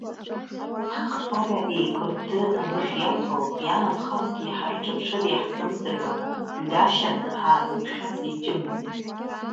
Ҳахшара еиқәыдды анышә иаҭо, иаанхазгьы ҳарҿыԥшыр иаҳзымдыруа, иҩашьаны, ҳаазықәшәазеи џьыма.